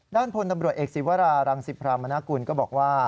ด้านพลตำรวจเอกศิวรารังสิพรามนากุลก็บอกว่า